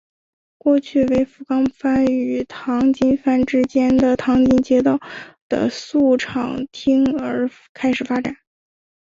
过去为福冈藩与唐津藩之间的唐津街道的宿场町而开始发展。